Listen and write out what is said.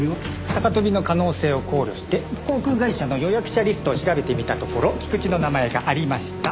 高飛びの可能性を考慮して航空会社の予約者リストを調べてみたところ菊池の名前がありました。